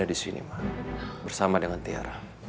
aku disini ma bersama dengan tiara